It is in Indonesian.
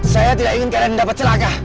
saya tidak ingin kalian mendapat celaka